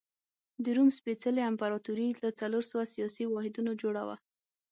د روم سپېڅلې امپراتوري له څلور سوه سیاسي واحدونو جوړه وه.